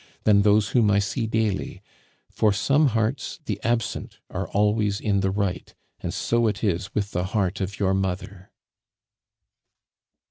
than those whom I see daily; for some hearts, the absent are always in the right, and so it is with the heart of your mother."